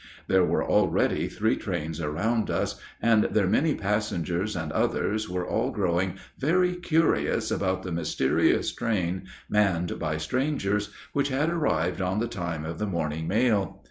There were already three trains around us, and their many passengers and others were all growing very curious about the mysterious train, manned by strangers, which had arrived on the time of the morning mail.